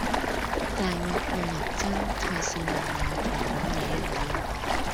大惡讓人憎，太善良也同樣惹人厭